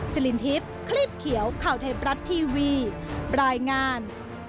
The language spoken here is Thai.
สิรินทิพย์คลีบเขียวข่าวเทพรัฐทีวีรายงาน